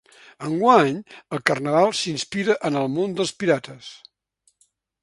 Enguany el carnaval s’inspira en el món dels pirates.